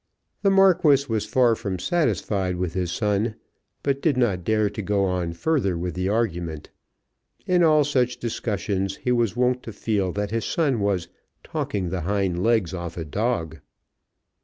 The Marquis was far from satisfied with his son, but did not dare to go on further with the argument. In all such discussions he was wont to feel that his son was "talking the hind legs off a dog."